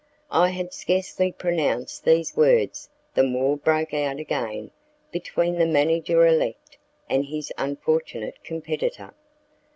I had scarcely pronounced these words than war broke out again between the manager elect and his unfortunate competitor.